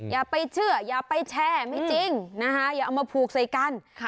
อย่าไปเชื่ออย่าไปแชร์ไม่จริงนะคะอย่าเอามาผูกใส่กัน